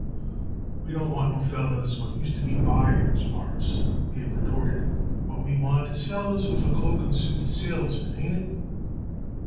"We don't want no fellers what used to be buyers, Mawruss," Abe retorted. "What we want is fellers what is cloak and suit salesmen. Ain't it?"